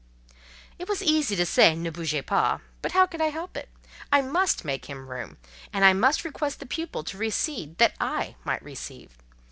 It was easy to say, "Ne bougez pas;" but how could I help it? I must make him room, and I must request the pupils to recede that I might recede.